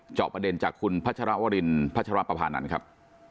เจาะประเด็นจากคุณพระชราวรินพระชราปภานันต์ครับ